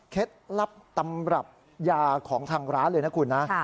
ลับตำรับยาของทางร้านเลยนะคุณนะ